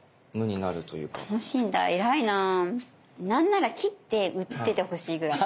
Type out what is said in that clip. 何なら切って売っててほしいぐらい。